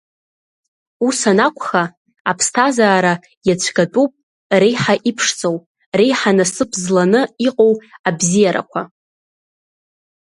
Ус анакәха, аԥсҭазаара иацәгатәуп реиҳа иԥшӡоу, реиҳа насыԥ зланы иҟоу абзиарақәа…